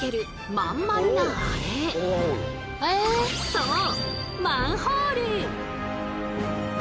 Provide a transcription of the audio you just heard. そう！